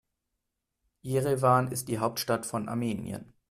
Jerewan ist die Hauptstadt von Armenien.